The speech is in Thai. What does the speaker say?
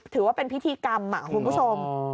ถือว่าเป็นพิธีกรรมคุณผู้ชม